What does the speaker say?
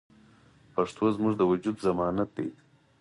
پښتو زموږ د وجود ضمانت دی.